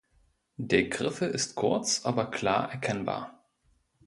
Der Griffel ist kurz, aber klar erkennbar.